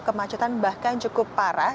kemacetan bahkan cukup parah